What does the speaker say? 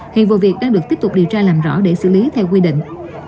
hiện vụ việc đang được tiếp tục điều tra làm rõ để xử lý theo quy định